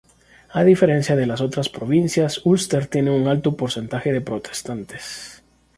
A diferencia de las otras provincias, Ulster tiene un alto porcentaje de protestantes.